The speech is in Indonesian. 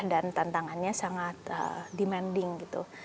dan tantangannya sangat demanding gitu